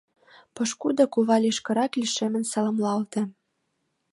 Пошкудо кува лишкырак лишемын саламлалте.